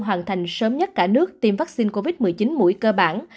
hoàn thành sớm nhất cả nước tiêm vaccine covid một mươi chín mũi cơ bản